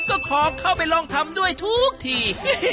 ก็ขอเข้าไปลองทำด้วยทุกที